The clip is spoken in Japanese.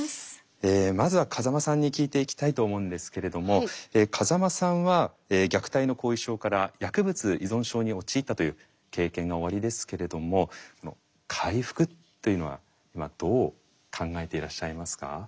まずは風間さんに聞いていきたいと思うんですけれども風間さんは虐待の後遺症から薬物依存症に陥ったという経験がおありですけれども回復というのはどう考えていらっしゃいますか？